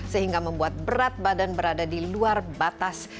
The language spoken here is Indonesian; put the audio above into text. sehingga membuat berat badan berada di luar batas